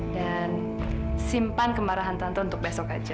dan simpan kemarahan tante untuk besok aja